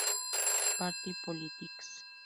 Party Politics.